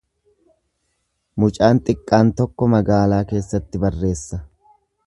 Mucaan xiqqaan tokko magaalaa keessatti barreessa.